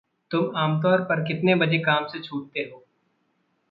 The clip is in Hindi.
तुम आमतौर पर कितने बजे काम से छूटते हो?